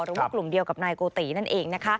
หรือว่ากลุ่มเดียวกับนายโกตินั่นเอง